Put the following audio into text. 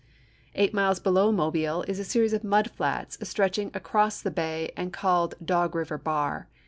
Eight miles below Mobile is a series of mud fiats stretching across the bay and called Dog Eiver Bar.